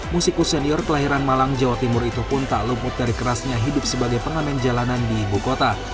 musikus senior kelahiran malang jawa timur itu pun tak luput dari kerasnya hidup sebagai pengamen jalanan di ibu kota